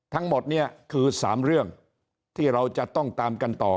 ทั้งหมดนี้คือ๓เรื่องที่เราจะต้องตามกันต่อ